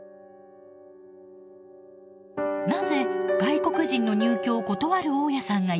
なぜ外国人の入居を断る大家さんがいるのでしょうか？